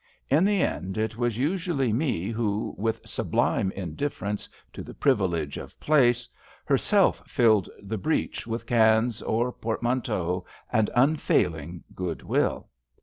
In the end it was usudly Me who, with sublime indifference to the privilege of place, herself filled the breach with cans or portmanteaux and unfailing goodwill.